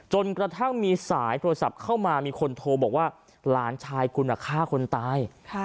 จนกระทั่งมีสายโทรศัพท์เข้ามามีคนโทรบอกว่าหลานชายคุณฆ่าคนตาย